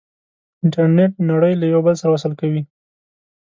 انټرنیټ نړۍ له یو بل سره وصل کوي.